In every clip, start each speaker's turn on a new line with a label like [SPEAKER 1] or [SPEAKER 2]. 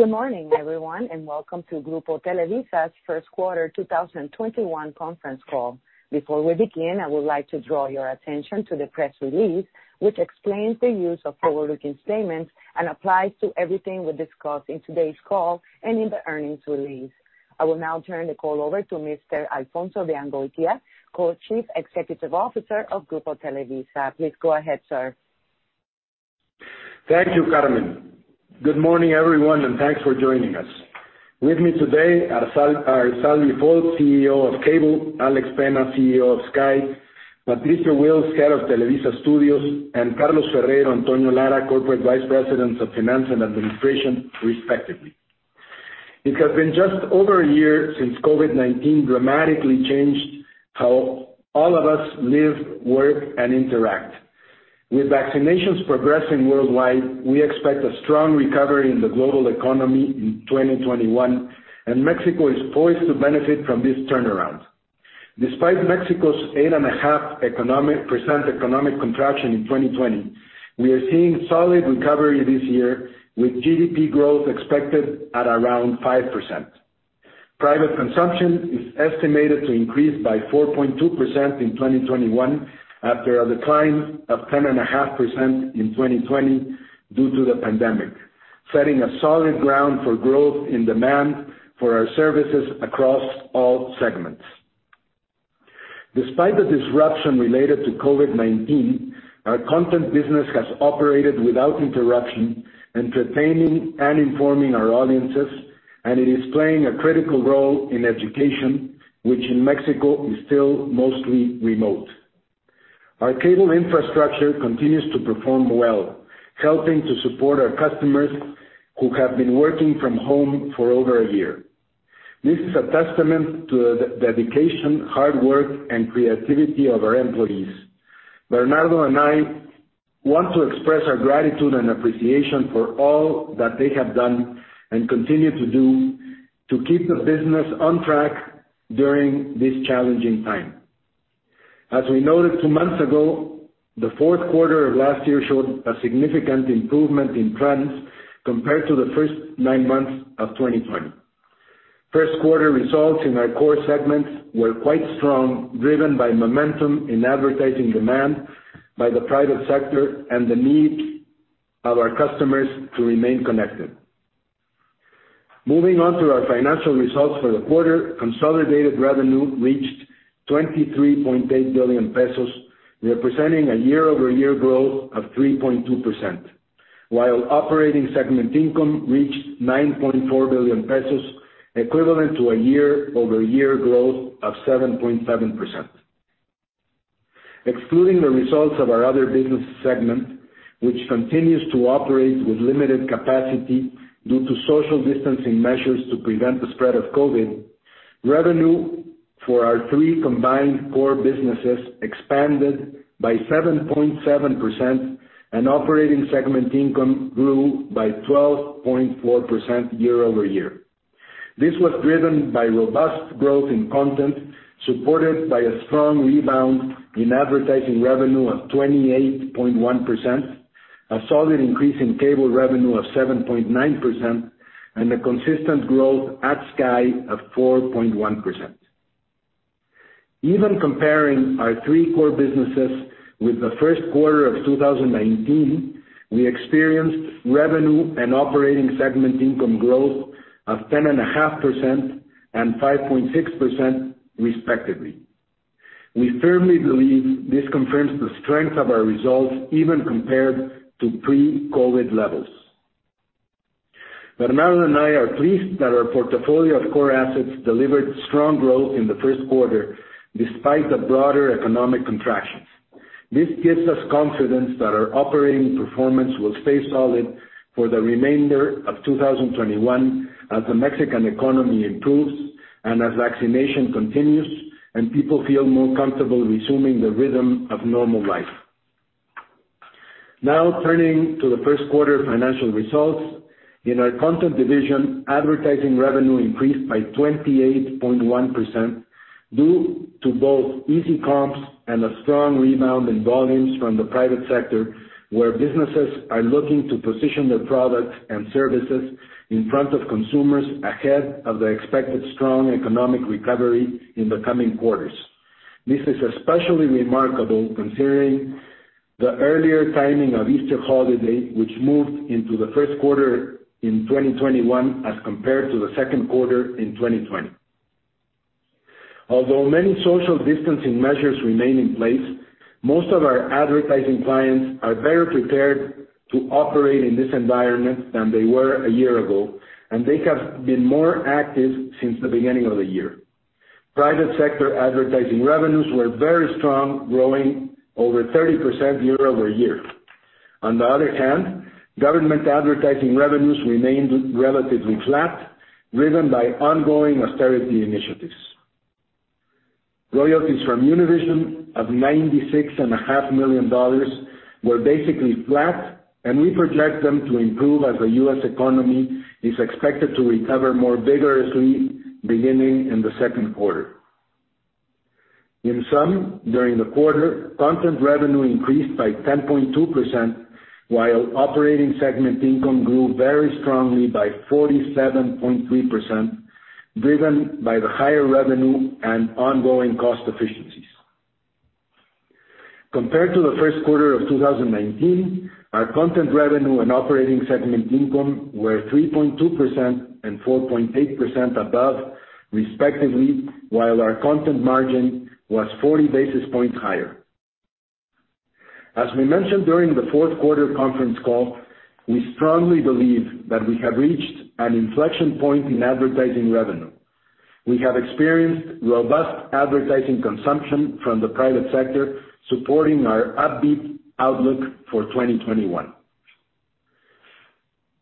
[SPEAKER 1] Good morning, everyone. Welcome to Grupo Televisa's first quarter 2021 conference call. Before we begin, I would like to draw your attention to the press release, which explains the use of forward-looking statements and applies to everything we discuss in today's call and in the earnings release. I will now turn the call over to Mr. Alfonso de Angoitia, Co-Chief Executive Officer of Grupo Televisa. Please go ahead, sir.
[SPEAKER 2] Thank you, Carmen. Good morning, everyone, and thanks for joining us. With me today are Salvi Folch, CEO of Cable, Alex Penna, CEO of Sky, Patricio Wills, Head of Televisa Studios, and Carlos Ferreiro, Jose Antonio Lara, Corporate Vice Presidents of Finance and Administration, respectively. It has been just over a year since COVID-19 dramatically changed how all of us live, work, and interact. With vaccinations progressing worldwide, we expect a strong recovery in the global economy in 2021, and Mexico is poised to benefit from this turnaround. Despite Mexico's 8.5% economic contraction in 2020, we are seeing solid recovery this year, with GDP growth expected at around 5%. Private consumption is estimated to increase by 4.2% in 2021 after a decline of 10.5% in 2020 due to the pandemic, setting a solid ground for growth in demand for our services across all segments. Despite the disruption related to COVID-19, our content business has operated without interruption, entertaining and informing our audiences, and it is playing a critical role in education, which in Mexico is still mostly remote. Our cable infrastructure continues to perform well, helping to support our customers who have been working from home for over a year. This is a testament to the dedication, hard work, and creativity of our employees. Bernardo and I want to express our gratitude and appreciation for all that they have done and continue to do to keep the business on track during this challenging time. As we noted two months ago, the fourth quarter of last year showed a significant improvement in trends compared to the first nine months of 2020. First quarter results in our core segments were quite strong, driven by momentum in advertising demand by the private sector and the need of our customers to remain connected. Moving on to our financial results for the quarter, consolidated revenue reached 23.8 billion pesos, representing a year-over-year growth of 3.2%, while operating segment income reached 9.4 billion pesos, equivalent to a year-over-year growth of 7.7%. Excluding the results of our other business segment, which continues to operate with limited capacity due to social distancing measures to prevent the spread of COVID, revenue for our three combined core businesses expanded by 7.7%, and operating segment income grew by 12.4% year-over-year. This was driven by robust growth in Content, supported by a strong rebound in advertising revenue of 28.1%, a solid increase in Cable revenue of 7.9%, and a consistent growth at Sky of 4.1%. Even comparing our three core businesses with the first quarter of 2019, we experienced revenue and operating segment income growth of 10.5% and 5.6%, respectively. We firmly believe this confirms the strength of our results, even compared to pre-COVID-19 levels. Bernardo and I are pleased that our portfolio of core assets delivered strong growth in the first quarter, despite the broader economic contractions. This gives us confidence that our operating performance will stay solid for the remainder of 2021 as the Mexican economy improves and as vaccination continues and people feel more comfortable resuming their rhythm of normal life. Now, turning to the first quarter financial results. In our Content division, advertising revenue increased by 28.1% due to both easy comps and a strong rebound in volumes from the private sector, where businesses are looking to position their products and services in front of consumers ahead of the expected strong economic recovery in the coming quarters. This is especially remarkable considering the earlier timing of Easter holiday, which moved into the first quarter in 2021 as compared to the second quarter in 2020. Although many social distancing measures remain in place, most of our advertising clients are better prepared to operate in this environment than they were a year ago, and they have been more active since the beginning of the year. Private sector advertising revenues were very strong, growing over 30% year-over-year. On the other hand, government advertising revenues remained relatively flat, driven by ongoing austerity initiatives. Royalties from Univision of $96.5 million were basically flat, and we project them to improve as the U.S. economy is expected to recover more vigorously beginning in the second quarter. In sum, during the quarter, Content revenue increased by 10.2%, while operating segment income grew very strongly by 47.3%, driven by the higher revenue and ongoing cost efficiencies. Compared to the first quarter of 2019, our Content revenue and operating segment income were 3.2% and 4.8% above, respectively, while our Content margin was 40 basis points higher. As we mentioned during the fourth quarter conference call, we strongly believe that we have reached an inflection point in advertising revenue. We have experienced robust advertising consumption from the private sector, supporting our upbeat outlook for 2021.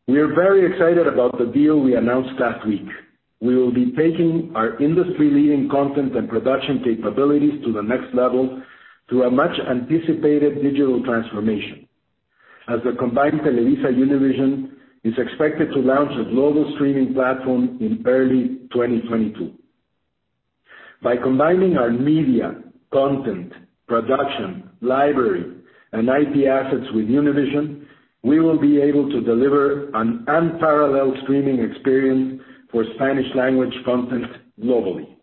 [SPEAKER 2] We are very excited about the deal we announced last week. We will be taking our industry-leading content and production capabilities to the next level through a much-anticipated digital transformation, as the combined TelevisaUnivision is expected to launch a global streaming platform in early 2022. By combining our media, content, production, library, and IP assets with Univision, we will be able to deliver an unparalleled streaming experience for Spanish language content globally.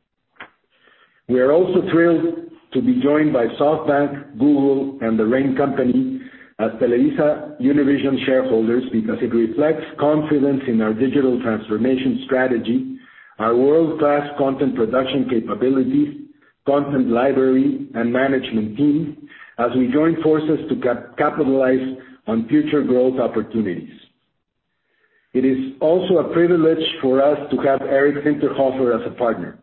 [SPEAKER 2] We are also thrilled to be joined by SoftBank, Google, and The Raine company as TelevisaUnivision shareholders because it reflects confidence in our digital transformation strategy, our world-class content production capabilities, content library, and management team as we join forces to capitalize on future growth opportunities. It is also a privilege for us to have Eric Zinterhofer as a partner.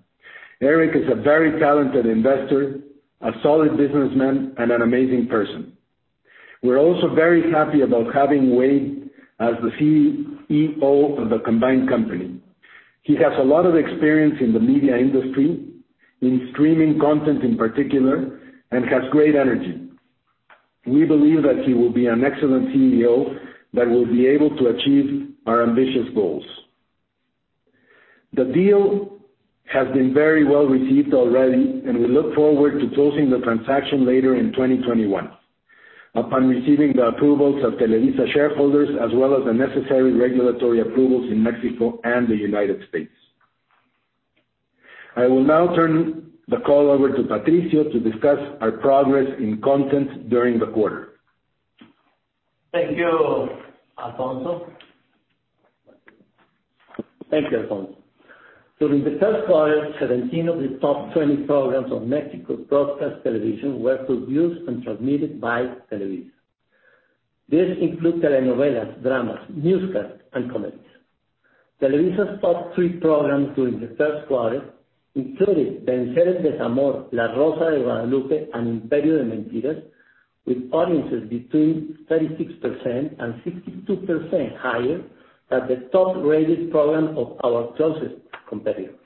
[SPEAKER 2] Eric is a very talented investor, a solid businessman, and an amazing person. We are also very happy about having Wade as the CEO of the combined company. He has a lot of experience in the media industry, in streaming content in particular, and has great energy. We believe that he will be an excellent CEO that will be able to achieve our ambitious goals. The deal has been very well received already, and we look forward to closing the transaction later in 2021 upon receiving the approvals of Televisa shareholders, as well as the necessary regulatory approvals in Mexico and the United States. I will now turn the call over to Patricio to discuss our progress in content during the quarter.
[SPEAKER 3] Thank you, Alfonso. Thank you. During the first quarter, 17 of the top 20 programs on Mexico's broadcast television were produced and transmitted by Televisa. This includes telenovelas, dramas, newscasts, and comedies. Televisa's top three programs during the first quarter included "Vencer el desamor," "La rosa de Guadalupe," and "Imperio de mentiras," with audiences between 36% and 62% higher than the top-rated programs of our closest competitor.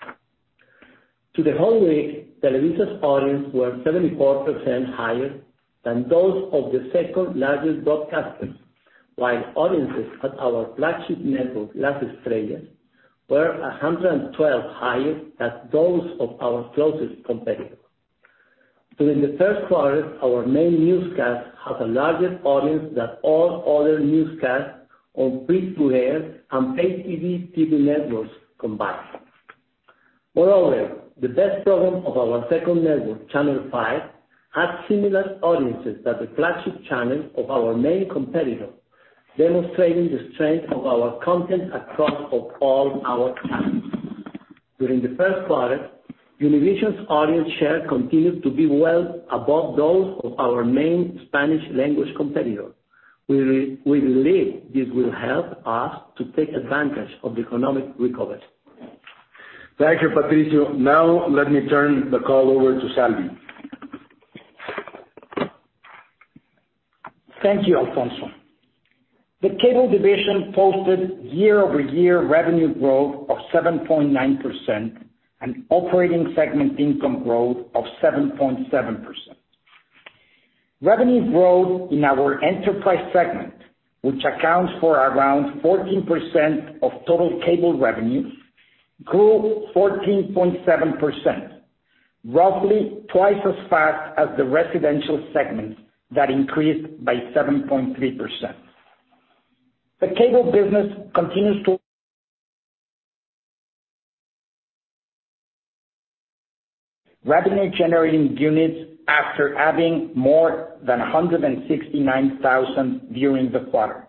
[SPEAKER 3] To the whole week, Televisa's audience were 74% higher than those of the second-largest broadcasters, while audiences at our flagship network, Las Estrellas, were 112% higher than those of our closest competitor. During the first quarter, our main newscast had a larger audience than all other newscasts on free-to-air and pay-TV networks combined. Moreover, the best program of our second network, Channel 5, had similar audiences as the flagship channel of our main competitor, demonstrating the strength of our content across of all our channels. During the first quarter, Univision's audience share continued to be well above those of our main Spanish language competitor. We believe this will help us to take advantage of the economic recovery.
[SPEAKER 2] Thank you, Patricio. Now let me turn the call over to Salvi.
[SPEAKER 4] Thank you, Alfonso. The Cable division posted year-over-year revenue growth of 7.9% and operating segment income growth of 7.7%. Revenue growth in our enterprise segment, which accounts for around 14% of total Cable revenue, grew 14.7%, roughly twice as fast as the residential segment that increased by 7.3%. The cable business continues to- Revenue-generating units after adding more than 169,000 during the quarter.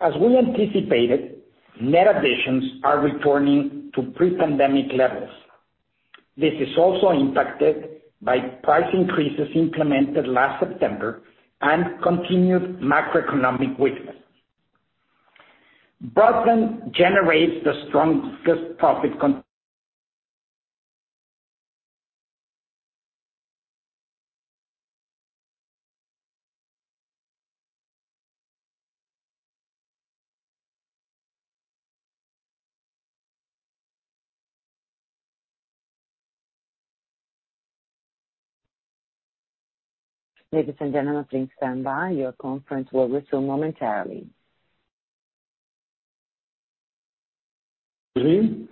[SPEAKER 4] As we anticipated, net additions are returning to pre-pandemic levels. This is also impacted by price increases implemented last September and continued macroeconomic weakness. Broadband generates the strongest profit con-
[SPEAKER 1] Ladies and gentlemen, please stand by. Your conference will resume momentarily. We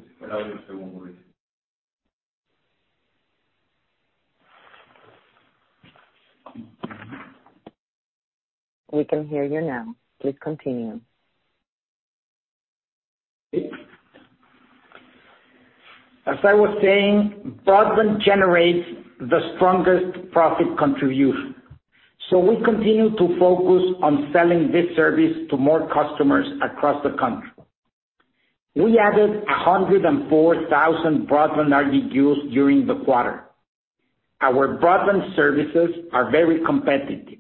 [SPEAKER 1] can hear you now. Please continue.
[SPEAKER 4] As I was saying, broadband generates the strongest profit contribution. We continue to focus on selling this service to more customers across the country. We added 104,000 broadband RGUs during the quarter. Our broadband services are very competitive.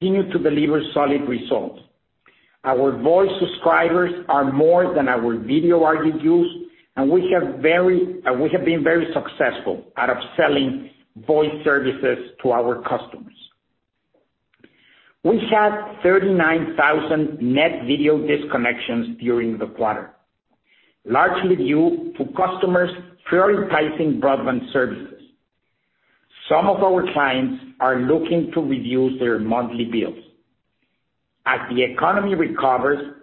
[SPEAKER 4] Continue to deliver solid results. Our voice subscribers are more than our video RGUs, and we have been very successful at upselling voice services to our customers. We had 39,000 net video disconnections during the quarter, largely due to customers prioritizing broadband services. Some of our clients are looking to reduce their monthly bills. As the economy recovers-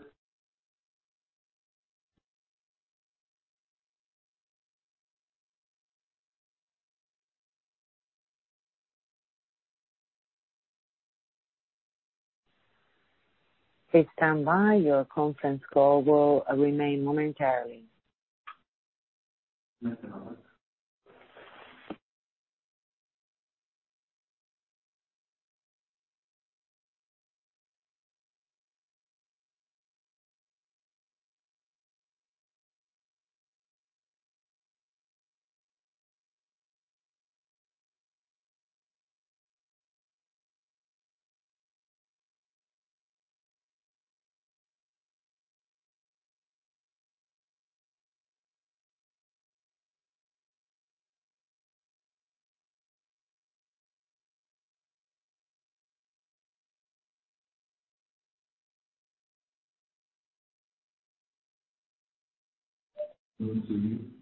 [SPEAKER 1] Please stand by. Your conference call will remain momentarily.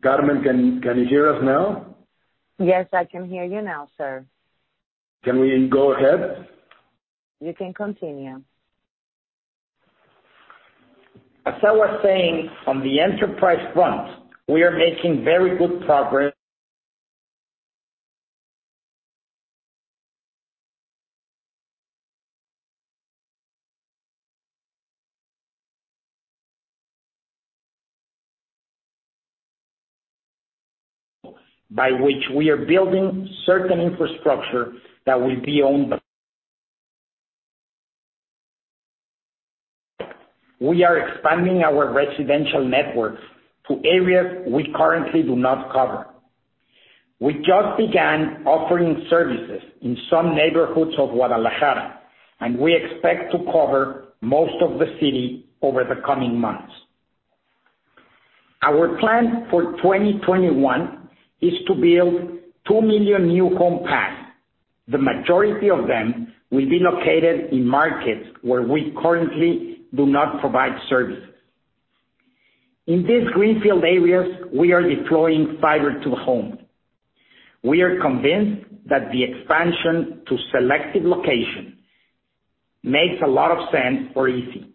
[SPEAKER 2] Carmen, can you hear us now?
[SPEAKER 1] Yes, I can hear you now, sir.
[SPEAKER 2] Can we go ahead?
[SPEAKER 1] You can continue.
[SPEAKER 4] As I was saying, on the enterprise front, we are making very good progress. By which we are building certain infrastructure that will be owned by. We are expanding our residential networks to areas we currently do not cover. We just began offering services in some neighborhoods of Guadalajara, and we expect to cover most of the city over the coming months. Our plan for 2021 is to build 2 million new home passes. The majority of them will be located in markets where we currently do not provide services. In these greenfield areas, we are deploying fiber-to-the-home. We are convinced that the expansion to selected locations makes a lot of sense for izzi,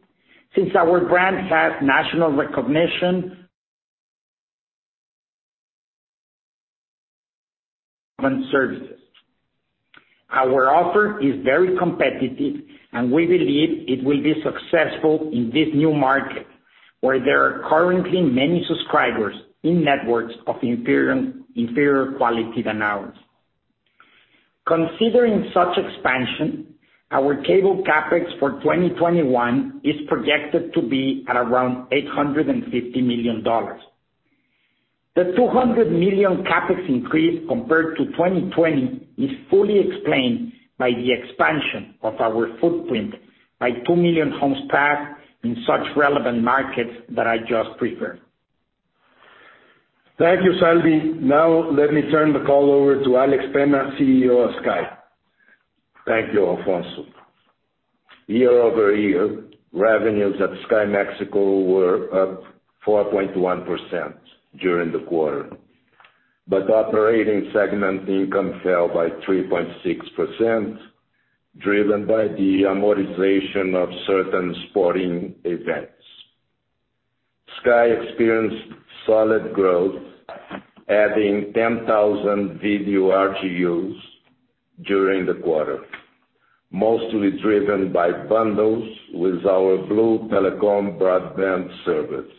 [SPEAKER 4] since our brand has national recognition in services. Our offer is very competitive. We believe it will be successful in this new market, where there are currently many subscribers in networks of inferior quality than ours. Considering such expansion, our Cable CapEx for 2021 is projected to be at around $850 million. The $200 million CapEx increase compared to 2020 is fully explained by the expansion of our footprint by 2 million homes passed in such relevant markets that I just referred.
[SPEAKER 2] Thank you, Salvi. Now let me turn the call over to Alex Penna, CEO of Sky.
[SPEAKER 5] Thank you, Alfonso. Year-over-year, revenues at Sky Mexico were up 4.1% during the quarter. Operating segment income fell by 3.6%, driven by the amortization of certain sporting events. Sky experienced solid growth, adding 10,000 video RGUs during the quarter, mostly driven by bundles with our Blue Telecomm broadband service.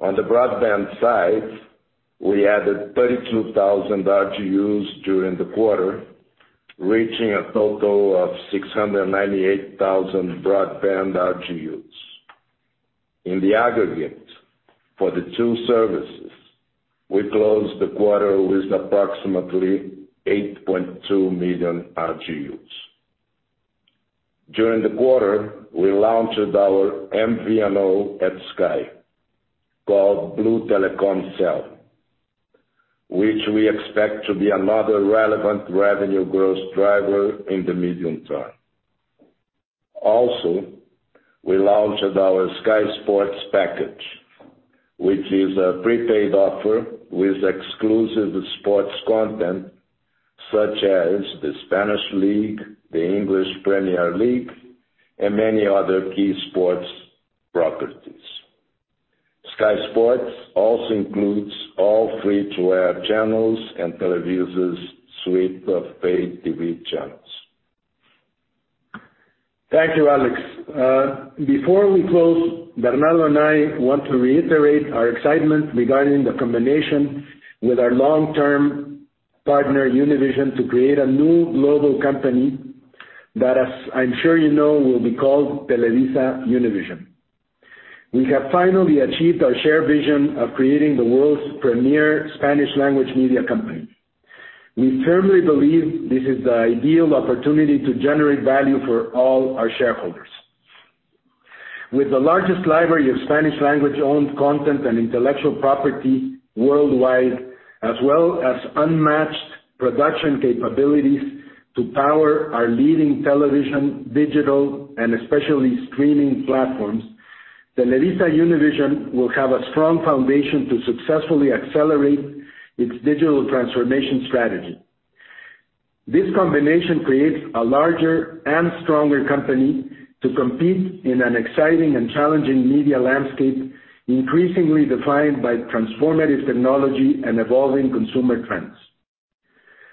[SPEAKER 5] On the broadband side, we added 32,000 RGUs during the quarter, reaching a total of 698,000 broadband RGUs. In the aggregate for the two services, we closed the quarter with approximately 8.2 million RGUs. During the quarter, we launched our MVNO at Sky, called Blue Telecomm Cel, which we expect to be another relevant revenue growth driver in the medium term. Also, we launched our Sky Sports package, which is a prepaid offer with exclusive sports content such as the Spanish League, the English Premier League, and many other key sports properties. Sky Sports also includes all free-to-air channels and Televisa's suite of paid TV channels.
[SPEAKER 2] Thank you, Alex. Before we close, Bernardo and I want to reiterate our excitement regarding the combination with our long-term partner, Univision, to create a new global company that, as I'm sure you know, will be called TelevisaUnivision. We have finally achieved our shared vision of creating the world's premier Spanish language media company. We firmly believe this is the ideal opportunity to generate value for all our shareholders. With the largest library of Spanish language owned content and intellectual property worldwide, as well as unmatched production capabilities to power our leading television, digital, and especially streaming platforms, TelevisaUnivision will have a strong foundation to successfully accelerate its digital transformation strategy. This combination creates a larger and stronger company to compete in an exciting and challenging media landscape, increasingly defined by transformative technology and evolving consumer trends.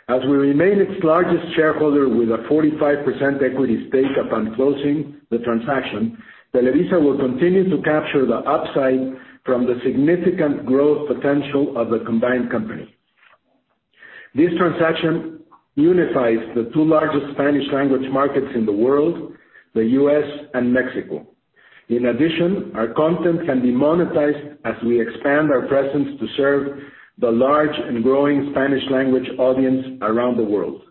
[SPEAKER 2] As we remain its largest shareholder with a 45% equity stake upon closing the transaction, Televisa will continue to capture the upside from the significant growth potential of the combined company. This transaction unifies the two largest Spanish language markets in the world, the U.S. and Mexico. In addition, our content can be monetized as we expand our presence to serve the large and growing Spanish language audience around the world.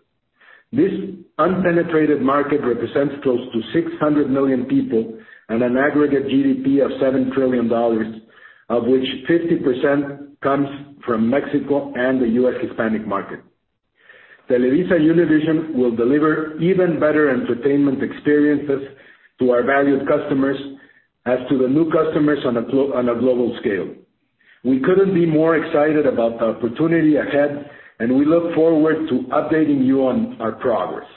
[SPEAKER 2] This unpenetrated market represents close to 600 million people and an aggregate GDP of $7 trillion, of which 50% comes from Mexico and the U.S. Hispanic market. TelevisaUnivision will deliver even better entertainment experiences to our valued customers, as to the new customers on a global scale. We couldn't be more excited about the opportunity ahead, and we look forward to updating you on our progress.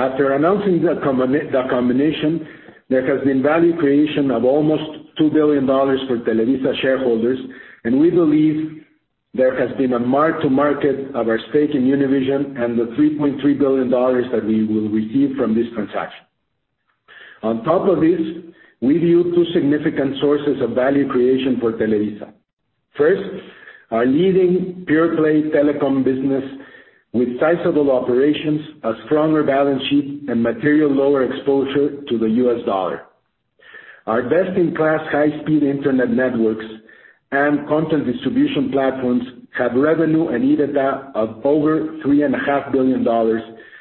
[SPEAKER 2] After announcing the combination, there has been value creation of almost $2 billion for Televisa shareholders, and we believe there has been a mark-to-market of our stake in Univision and the $3.3 billion that we will receive from this transaction. On top of this, we view two significant sources of value creation for Televisa. First, our leading pure play telecom business with sizable operations, a stronger balance sheet, and material lower exposure to the U.S. dollar. Our best-in-class high-speed internet networks and content distribution platforms have revenue and EBITDA of over $3.5 billion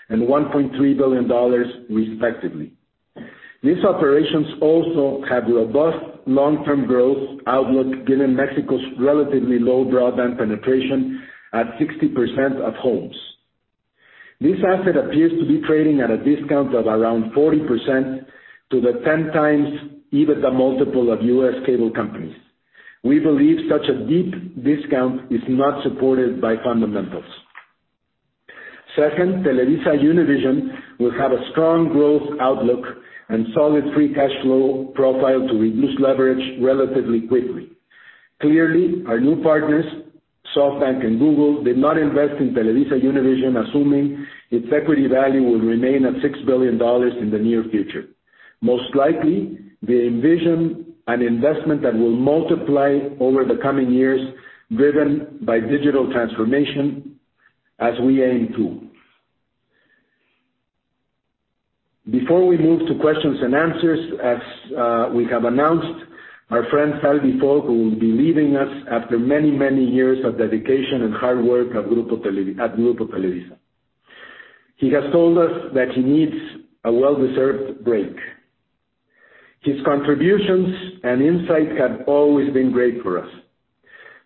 [SPEAKER 2] and $1.3 billion, respectively. These operations also have robust long-term growth outlook, given Mexico's relatively low broadband penetration at 60% of homes. This asset appears to be trading at a discount of around 40% to the 10x EBITDA multiple of U.S. cable companies. We believe such a deep discount is not supported by fundamentals. Second, TelevisaUnivision will have a strong growth outlook and solid free cash flow profile to reduce leverage relatively quickly. Clearly, our new partners, SoftBank and Google, did not invest in TelevisaUnivision assuming its equity value would remain at $6 billion in the near future. Most likely, they envision an investment that will multiply over the coming years, driven by digital transformation, as we aim to. Before we move to questions and answers, as we have announced, our friend Salvi Folch, who will be leaving us after many years of dedication and hard work at Grupo Televisa. He has told us that he needs a well-deserved break. His contributions and insight have always been great for us.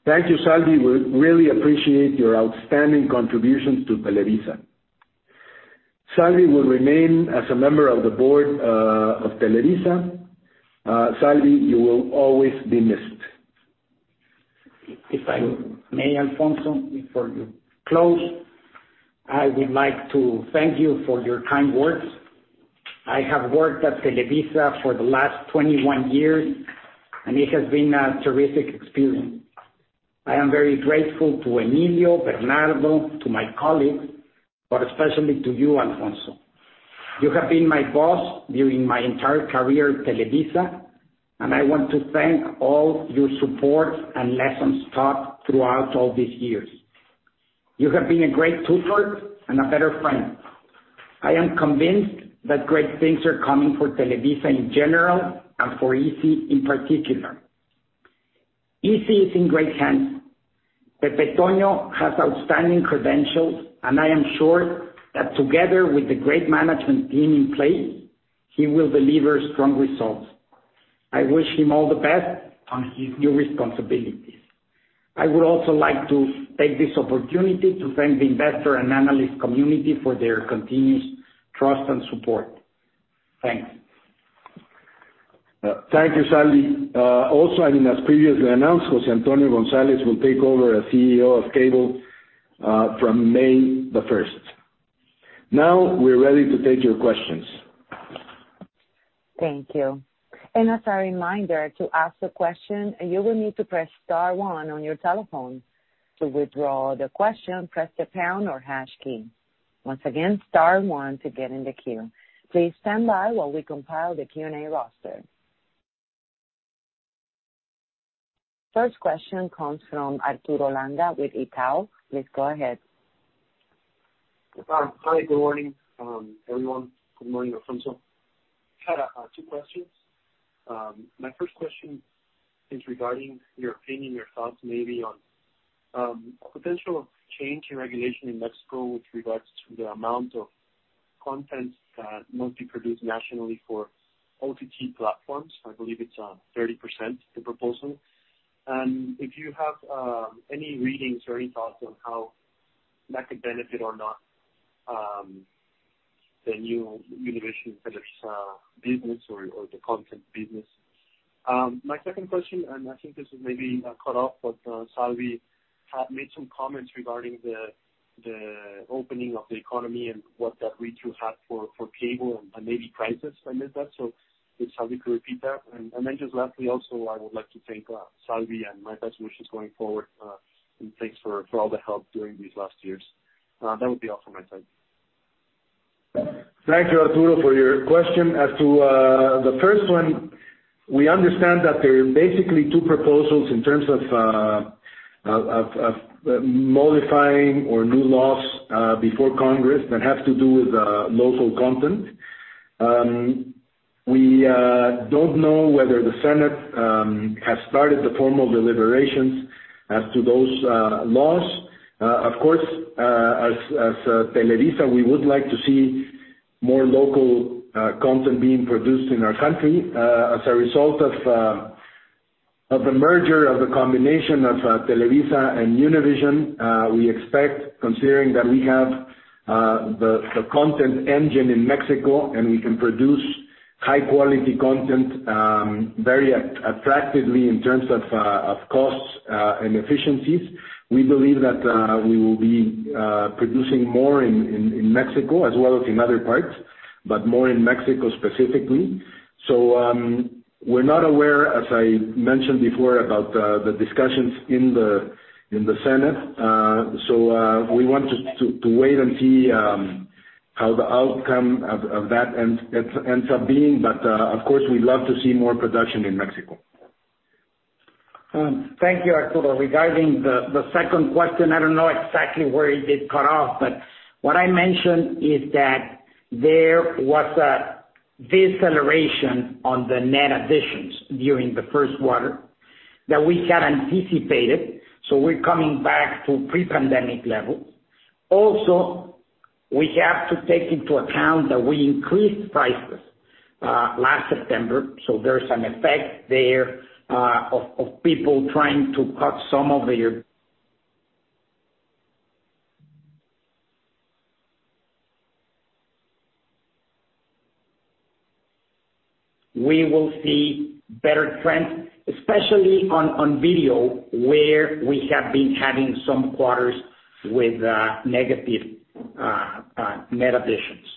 [SPEAKER 2] Thank you, Salvi. We really appreciate your outstanding contributions to Televisa. Salvi will remain as a member of the board of Televisa. Salvi, you will always be missed.
[SPEAKER 4] If I may, Alfonso, before you close, I would like to thank you for your kind words. I have worked at Televisa for the last 21 years, and it has been a terrific experience. I am very grateful to Emilio, Bernardo, to my colleagues, but especially to you, Alfonso. You have been my boss during my entire career at Televisa, and I want to thank all your support and lessons taught throughout all these years. You have been a great tutor and a better friend. I am convinced that great things are coming for Televisa in general and for izzi in particular. izzi is in great hands. Pepe Toño has outstanding credentials, and I am sure that together with the great management team in place, he will deliver strong results. I wish him all the best on his new responsibilities. I would also like to take this opportunity to thank the investor and analyst community for their continued trust and support. Thanks.
[SPEAKER 2] Thank you, Salvi. As previously announced, José Antonio González will take over as CEO of Cable from May 1st. We're ready to take your questions.
[SPEAKER 1] Thank you. As a reminder, to ask a question, you will need to press star one on your telephone. To withdraw the question, press the pound or hash key. Once again, star one to get in the queue. Please stand by while we compile the Q&A roster. First question comes from Arturo Langa with Itaú. Please go ahead.
[SPEAKER 6] Hi, good morning, everyone. Good morning, Alfonso. Had two questions. My first question is regarding your opinion, your thoughts maybe on potential change in regulation in Mexico with regards to the amount of content that must be produced nationally for OTT platforms. I believe it's 30%, the proposal. If you have any readings or any thoughts on how that could benefit or not, the new Univision Televisa business or the content business. My second question, and I think this was maybe cut off, but Salvi had made some comments regarding the opening of the economy and what that means to have for Cable and maybe prices amid that. If Salvi could repeat that. Just lastly, also, I would like to thank Salvi and my best wishes going forward. Thanks for all the help during these last years. That would be all from my side.
[SPEAKER 2] Thank you, Arturo, for your question. As to the first one, we understand that there are basically two proposals in terms of modifying or new laws before Congress that have to do with local content. We don't know whether the Senate has started the formal deliberations as to those laws. Of course, as Televisa, we would like to see more local content being produced in our country. As a result of the merger, of the combination of Televisa and Univision, we expect, considering that we have the content engine in Mexico and we can produce high-quality content very attractively in terms of costs and efficiencies. We believe that we will be producing more in Mexico as well as in other parts, but more in Mexico specifically. We're not aware, as I mentioned before, about the discussions in the Senate. So we wanted to wait and see how the outcome of that ends up being. Of course, we'd love to see more production in Mexico.
[SPEAKER 4] Thank you, Arturo. Regarding the second question, I don't know exactly where it got off, but what I mentioned is that there was a deceleration on the net additions during the first quarter that we had anticipated. We're coming back to pre-pandemic levels. Also, we have to take into account that we increased prices last September. So there is an effect there of people trying to cut. We will see better trends, especially on video, where we have been having some quarters with negative net additions.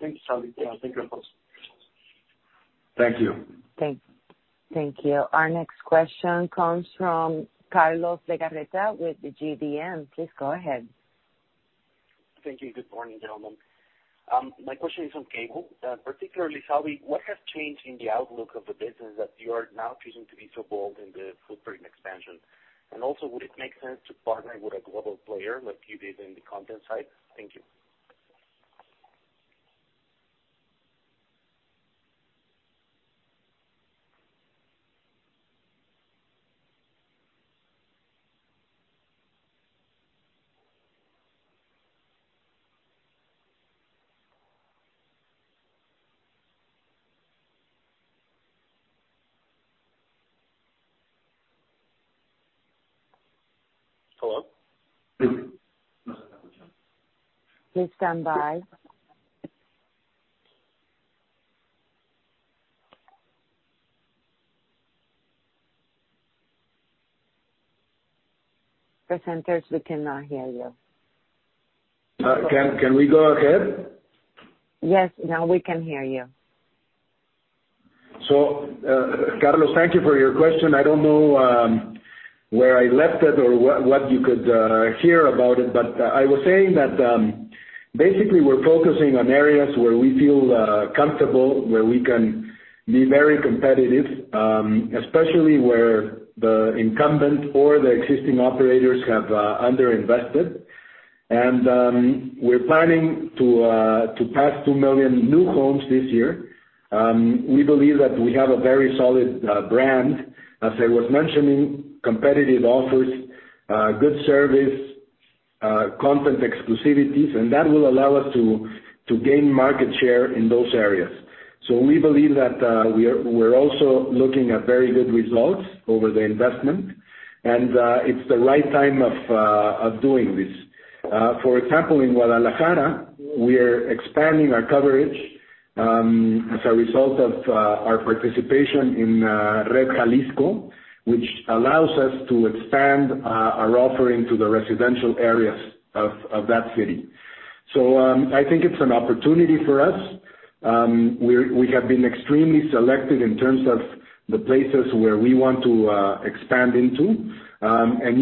[SPEAKER 6] Thanks, Salvi. Thank you, Alfonso.
[SPEAKER 2] Thank you.
[SPEAKER 1] Thank you. Our next question comes from Carlos Legarreta with the GBM. Please go ahead.
[SPEAKER 7] Thank you. Good morning, gentlemen. My question is on Cable. Particularly Salvi, what has changed in the outlook of the business that you are now choosing to be so bold in the footprint expansion? Also, would it make sense to partner with a global player like you did in the content side? Thank you.
[SPEAKER 2] Hello?
[SPEAKER 1] Please stand by. Presenters, we cannot hear you.
[SPEAKER 2] Can we go ahead?
[SPEAKER 1] Yes. Now we can hear you.
[SPEAKER 2] Carlos, thank you for your question. I don't know where I left it or what you could hear about it, but I was saying that basically we're focusing on areas where we feel comfortable, where we can be very competitive, especially where the incumbent or the existing operators have under-invested. We're planning to pass 2 million new homes this year. We believe that we have a very solid brand. As I was mentioning, competitive offers, good service, content exclusivities, that will allow us to gain market share in those areas. We believe that we're also looking at very good results over the investment, and it's the right time of doing this. For example, in Guadalajara, we are expanding our coverage as a result of our participation in RED Jalisco, which allows us to expand our offering to the residential areas of that city. I think it's an opportunity for us. We have been extremely selective in terms of the places where we want to expand into.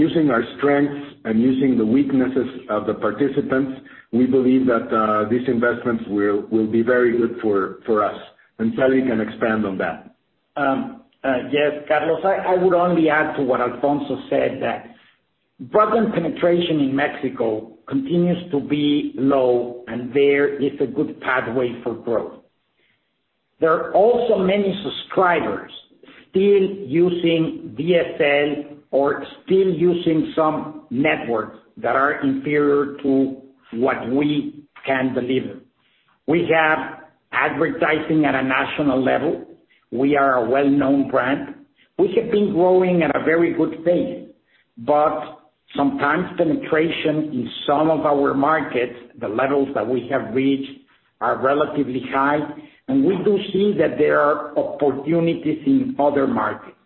[SPEAKER 2] Using our strengths and using the weaknesses of the participants, we believe that these investments will be very good for us, and Salvi can expand on that.
[SPEAKER 4] Yes, Carlos, I would only add to what Alfonso said, that broadband penetration in Mexico continues to be low and there is a good pathway for growth. There are also many subscribers still using DSL or still using some networks that are inferior to what we can deliver. We have advertising at a national level. We are a well-known brand. We have been growing at a very good pace. Sometimes penetration in some of our markets, the levels that we have reached are relatively high, and we do see that there are opportunities in other markets.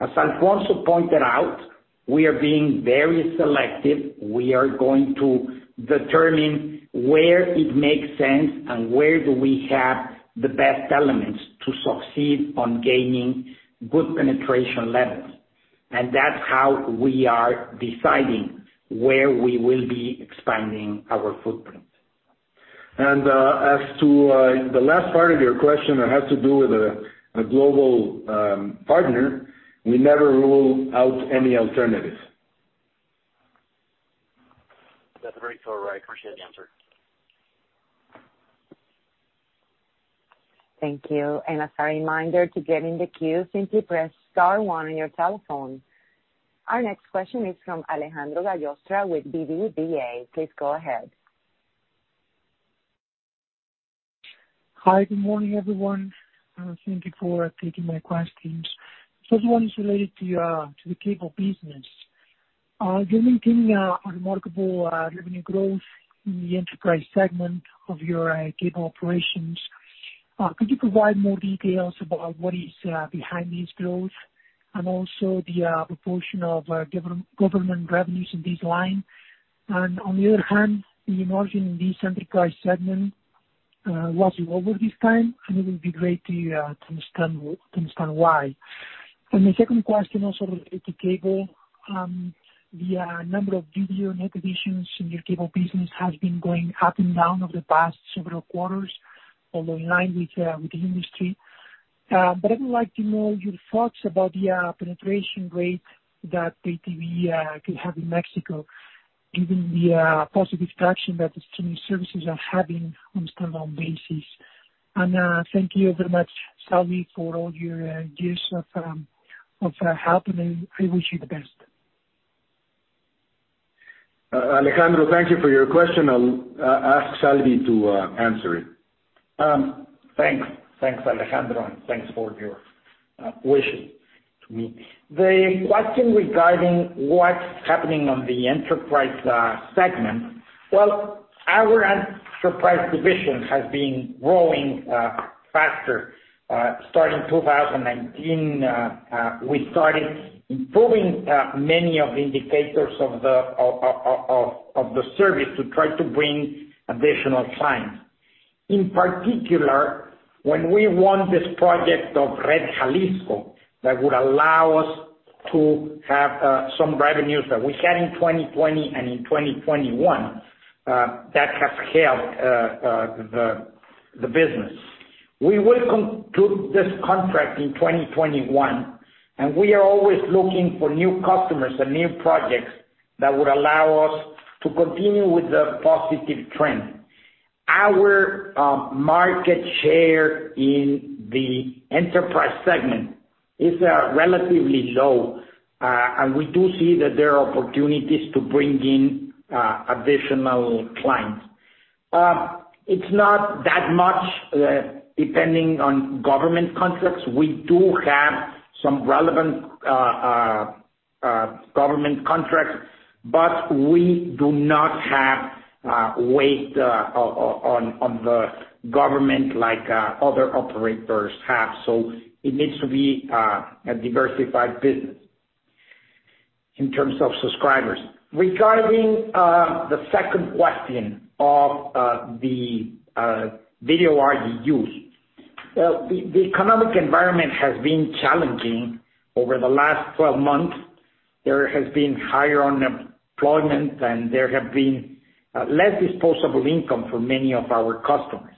[SPEAKER 4] As Alfonso pointed out, we are being very selective. We are going to determine where it makes sense and where do we have the best elements to succeed on gaining good penetration levels. That's how we are deciding where we will be expanding our footprint.
[SPEAKER 2] And as to the last part of your question that had to do with a global partner, we never rule out any alternatives.
[SPEAKER 7] That's very thorough. I appreciate the answer.
[SPEAKER 1] Thank you. As a reminder, to get in the queue, simply press star one on your telephone. Our next question is from Alejandro Gallostra with BBVA. Please go ahead.
[SPEAKER 8] Hi. Good morning, everyone. Thank you for taking my questions. First one is related to the Cable business. You're maintaining a remarkable revenue growth in the enterprise segment of your cable operations. Could you provide more details about what is behind this growth and also the proportion of government revenues in this line? On the other hand, the margin in this enterprise segment was over this time, and it would be great to understand why. The second question also related to Cable. The number of video net additions in your cable business has been going up and down over the past several quarters, although in line with the industry. I would like to know your thoughts about the penetration rate that pay TV could have in Mexico, given the positive traction that the streaming services are having on standalone basis. Thank you very much, Salvi, for all your years of helping, and I wish you the best.
[SPEAKER 2] Alejandro, thank you for your question. I'll ask Salvi to answer it.
[SPEAKER 4] Thanks, Alejandro, and thanks for your wishes to me. The question regarding what's happening on the enterprise segment. Well, our enterprise division has been growing faster. Starting 2019, we started improving many of the indicators of the service to try to bring additional clients. In particular, when we won this project of RED Jalisco, that would allow us to have some revenues that we had in 2020 and in 2021. That has helped the business. We will conclude this contract in 2021, and we are always looking for new customers and new projects that would allow us to continue with the positive trend. Our market share in the enterprise segment is relatively low, and we do see that there are opportunities to bring in additional clients. It's not that much depending on government contracts. We do have some relevant government contracts, but we do not have weight on the government like other operators have. It needs to be a diversified business in terms of subscribers. Regarding the second question of the video RGU. The economic environment has been challenging over the last 12 months. There has been higher unemployment, and there have been less disposable income for many of our customers.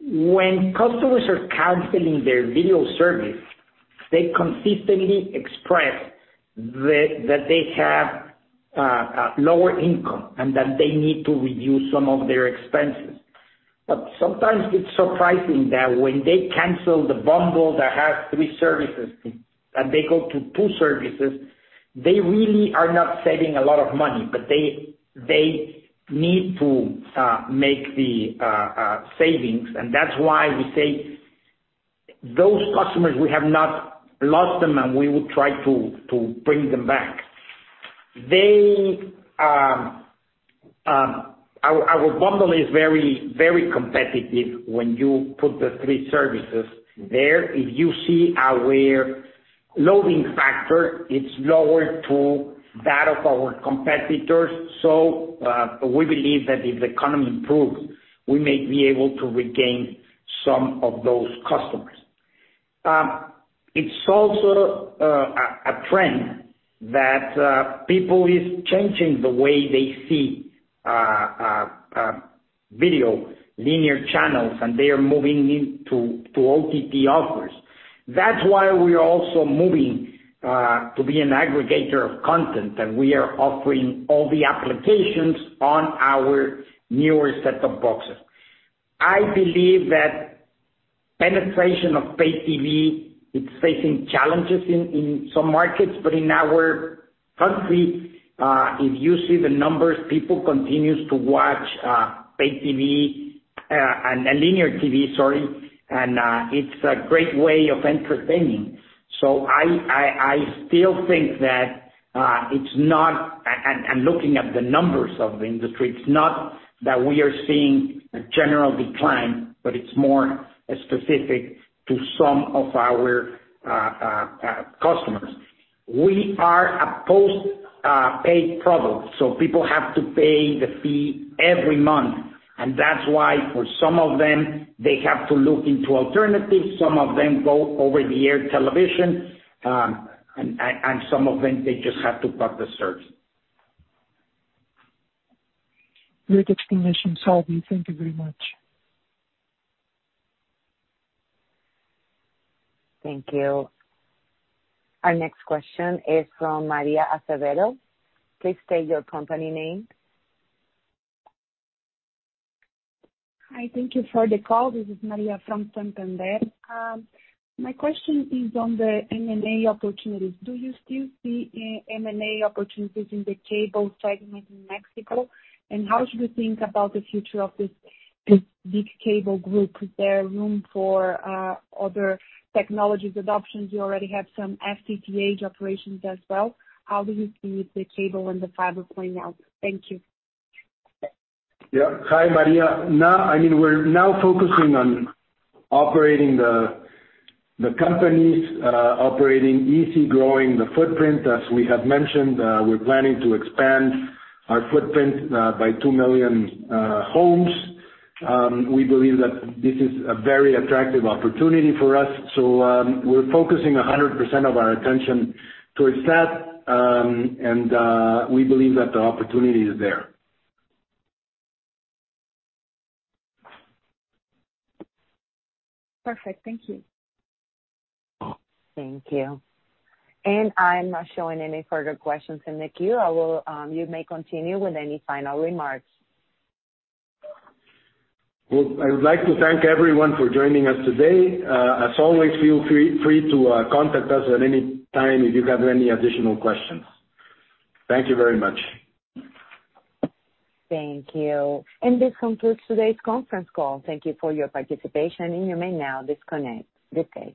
[SPEAKER 4] When customers are canceling their video service, they consistently express that they have lower income and that they need to reduce some of their expenses. Sometimes it's surprising that when they cancel the bundle that has three services and they go to two services, they really are not saving a lot of money, but they need to make the savings. That's why we say those customers, we have not lost them, and we will try to bring them back. Our bundle is very competitive when you put the three services there. If you see our loading factor, it's lower to that of our competitors. We believe that if the economy improves, we may be able to regain some of those customers. It's also a trend that people is changing the way they see video linear channels, and they are moving into OTT offers. That's why we are also moving to be an aggregator of content, and we are offering all the applications on our newer set-top boxes. I believe that penetration of paid TV is facing challenges in some markets, but in our country, if you see the numbers, people continues to watch paid TV and linear TV, sorry, and it's a great way of entertaining. I still think that it's not, and looking at the numbers of the industry, it's not that we are seeing a general decline, but it's more specific to some of our customers. We are a post-paid product, so people have to pay the fee every month, and that's why for some of them, they have to look into alternatives. Some of them go over-the-air television, and some of them, they just have to cut the service.
[SPEAKER 8] Great explanation, Salvi. Thank you very much.
[SPEAKER 1] Thank you. Our next question is from Maria Azevedo. Please state your company name.
[SPEAKER 9] Hi. Thank you for the call. This is Maria from Santander. My question is on the M&A opportunities. Do you still see M&A opportunities in the cable segment in Mexico? How should we think about the future of this big cable group? Is there room for other technologies adoptions? You already have some FTTH operations as well. How do you see the cable and the fiber playing out? Thank you.
[SPEAKER 2] Yeah. Hi, Maria. We're now focusing on operating the companies, operating izzi, growing the footprint. As we have mentioned, we're planning to expand our footprint by 2 million homes. We believe that this is a very attractive opportunity for us. We're focusing 100% of our attention towards that, and we believe that the opportunity is there.
[SPEAKER 9] Perfect. Thank you.
[SPEAKER 1] Thank you. I'm not showing any further questions in the queue. You may continue with any final remarks.
[SPEAKER 2] I would like to thank everyone for joining us today. As always, feel free to contact us at any time if you have any additional questions. Thank you very much.
[SPEAKER 1] Thank you. This concludes today's conference call. Thank you for your participation, and you may now disconnect. Good day.